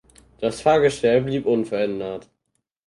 Das Fahrgestell blieb unverändert.